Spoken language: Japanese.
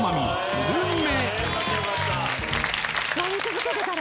スルメ